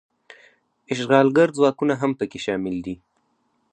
اشغالګر ځواکونه هم پکې شامل دي.